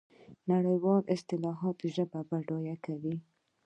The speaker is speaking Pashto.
نړیوالې اصطلاحات ژبه بډایه کوي.